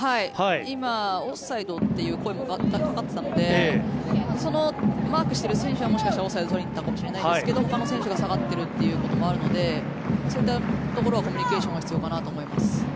今、オフサイドという声も上がっていたのでそのマークしている選手はもしかしたらオフサイドを取りに行ったのかもしれませんがほかの選手が下がっているということもあるのでそういったところはコミュニケーションが必要かなと思います。